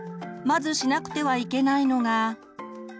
まずしなくてはいけないのが。